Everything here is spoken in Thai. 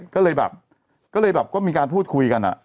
ก็เลยแบบก็มีการพูดคุยกัน